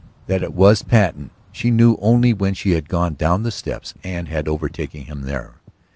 That it was Patten she knew only when she had gone down the steps and had overtaken him there.